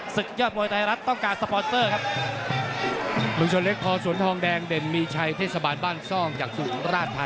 ยอดมวยไทยรัฐต้องการสปอนเตอร์ครับ